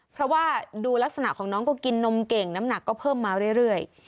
เพราะว่าดูลักษณะของน้องก็กินนมเก่งน้ำหนักก็เพิ่มมาเรื่อย